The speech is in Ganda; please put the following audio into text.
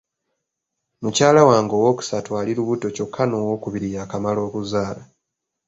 Mukyala wange owookusatu ali lubuto kyokka n'owookubiri yakamala okuzaala.